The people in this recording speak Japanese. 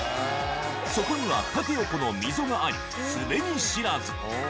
そこには縦横の溝があり滑り知らず。